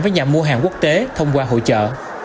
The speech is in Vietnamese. với nhà mua hàng quốc tế thông qua hội trợ